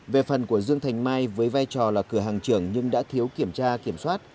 về phần của dương thành mai với vai trò là cửa hàng trưởng nhưng đã thiếu kiểm tra kiểm soát